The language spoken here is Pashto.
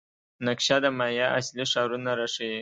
نقشه د مایا اصلي ښارونه راښيي.